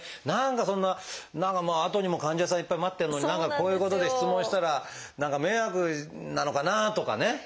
何かそんなあとにも患者さんいっぱい待ってんのにこういうことで質問したら何か迷惑なのかなとかね。